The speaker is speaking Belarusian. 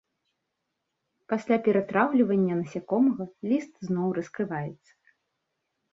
Пасля ператраўлівання насякомага ліст зноў раскрываецца.